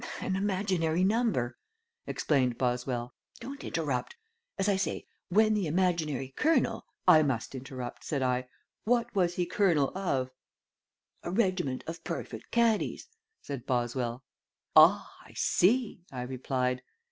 "An imaginary number," explained Boswell. "Don't interrupt. As I say, when the imaginary colonel " "I must interrupt," said I. "What was he colonel of?" "A regiment of perfect caddies," said Boswell. "Ah, I see," I replied.